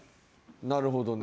なるほどね。